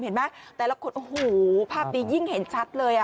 เห็นไหมแต่ละคนโอ้โหภาพนี้ยิ่งเห็นชัดเลย